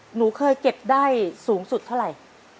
หนูเคยเก็บได้สูงสุดเท่าไหร่